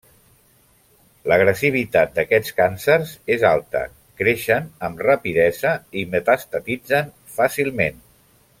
L'agressivitat d'aquests càncers és alta, creixen amb rapidesa i metastatitzen fàcilment.